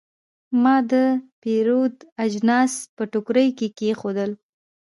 ما د پیرود اجناس په ټوکرۍ کې کېښودل.